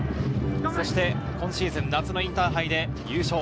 そして、今シーズン夏のインターハイで優勝。